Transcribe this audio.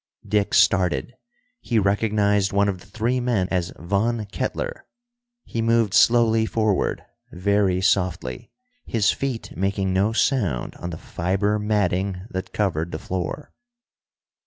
Dick started; he recognized one of the three men as Von Kettler. He moved slowly forward, very softly, his feet making no sound on the fiber matting that covered the floor.